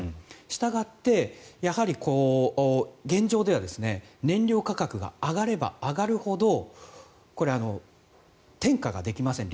したがって、やはり現状では燃料価格が上がれば上がるほど転嫁ができません。